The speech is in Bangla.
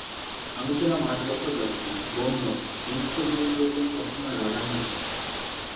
আমি ছিলাম আট বছর বয়সী, বন্য, হিংস্র জীবনের উপর সবসময় রাগান্বিত।